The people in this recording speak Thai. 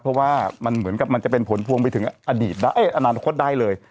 เพราะว่ามันเหมือนกับมันจะเป็นผลพวงไปถึงอดีตอนาคตได้เลย